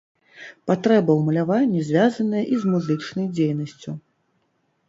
Патрэба ў маляванні звязаная і з музычнай дзейнасцю.